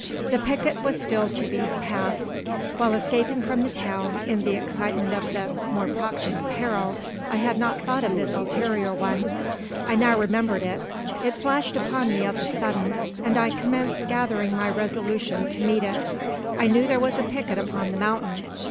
The picket was still to be passed. While escaping from the town, in the excitement of the more proximate peril I had not thought of this ulterior one. I now remembered it. It flashed upon me of a sudden, and I commenced gathering my resolution to meet it. I knew there was a picket upon the mountain!